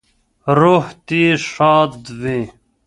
روح دې ښاد وي